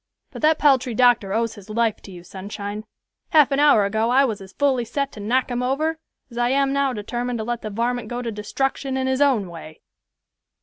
But that paltry doctor owes his life to you, Sunshine. Half an hour ago I was as fully set to knock him over as I am now determined to let the varmint go to destruction in his own way."